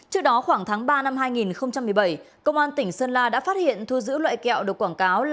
trước đó khoảng tháng ba năm hai nghìn một mươi bảy công an tỉnh sơn la đã phát hiện thu giữ loại kẹo được quảng cáo là